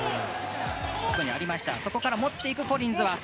そこから持って行くコリンズワース。